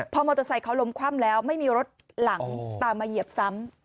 พอมอเตอร์ไซค์เขาล้มคว่ำแล้วไม่มีรถหลังตามมาเหยียบซ้ำ